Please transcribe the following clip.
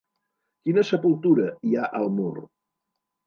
Quina sepultura hi ha al mur?